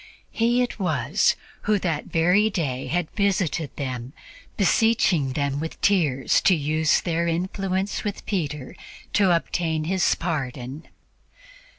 He it was who that very day had visited them, beseeching them with tears to use their influence with Peter to obtain his pardon.